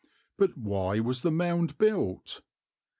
But why was the Mound built?